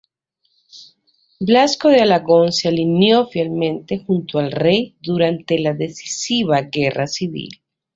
Blasco de Alagón se alineó fielmente junto al rey durante la decisiva guerra civil.